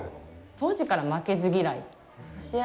当時から負けず嫌い。